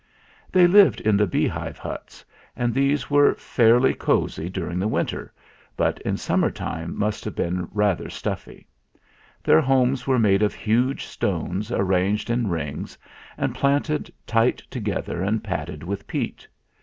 They lived in the beehive huts, and these were fairly cosy during the winter, but in sum mer time must have been rather stuffy. Their homes were made of huge stones arranged in rings and planted tight together and padded with peat.